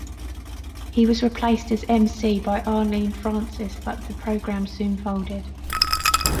He was replaced as emcee by Arlene Francis, but the program soon folded.